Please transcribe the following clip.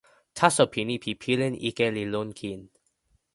taso pini pi pilin ike li lon kin.